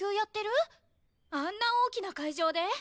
あんな大きな会場で？